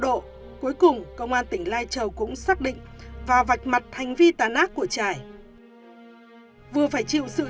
độ cuối cùng công an tỉnh lai châu cũng xác định và vạch mặt hành vi tán ác của trải vừa phải chịu sự